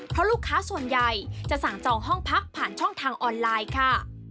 เพราะลูกค้าส่วนใหญ่จะสั่งจองห้องพักผ่านช่องทางออนไลน์ค่ะ